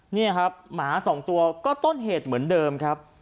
นี่ครับหมาสองตัวก็ต้นเหตุเหมือนเดิมครับ